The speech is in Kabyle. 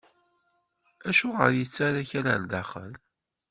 Acuɣer i yettarra awal ɣer daxel?